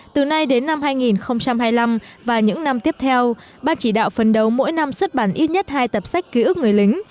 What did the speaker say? từ nay đến năm hai nghìn hai mươi năm và những năm tiếp theo ban chỉ đạo phấn đấu mỗi năm xuất bản ít nhất hai tập sách ký ức người lính